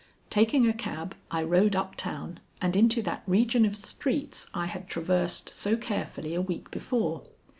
Taking a cab, I rode up town and into that region of streets I had traversed so carefully a week before.